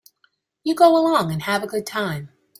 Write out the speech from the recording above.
You go along and have a good time.